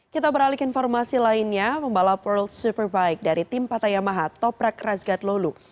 kita beralih ke informasi lainnya pembalap world superbike dari tim patayamaha toprak razgat lolu